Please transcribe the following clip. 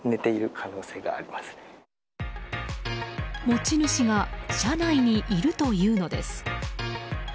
持ち主が車内にいるというのです。